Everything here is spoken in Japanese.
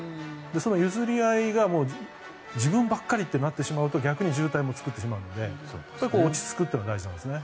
その譲り合いが自分ばっかりとなっちゃうと逆に渋滞も作ってしまうので落ち着くというのが大事なんですね。